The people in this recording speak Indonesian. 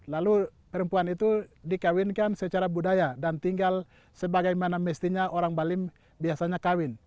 lalu perempuan itu dikawinkan secara budaya dan tinggal sebagaimana mestinya orang balim biasanya kawin